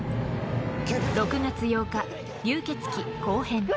６月８日、「流血鬼後編」。